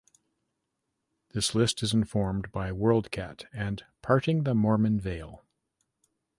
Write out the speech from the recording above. This list is informed by Worldcat and "Parting the Mormon Veil".